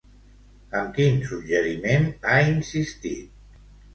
Amb quin suggeriment ha insistit?